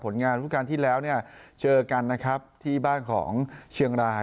ผลงานทุกอย่างที่แล้วเจอกันที่บ้านของเชียงรา